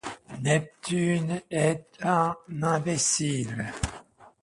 Neptune est un imbécile.